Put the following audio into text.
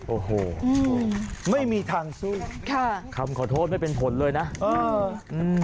โอ้โหไม่มีทางสู้ค่ะคำขอโทษไม่เป็นผลเลยนะเอออืม